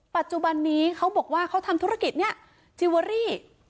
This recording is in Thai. ปัจจุบันนี้เขาบอกว่าเขาทำธุรกิจเนี่ยจิเวอรี่